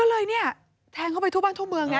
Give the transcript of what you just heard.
ก็เลยเนี่ยแทงเข้าไปทั่วบ้านทั่วเมืองไง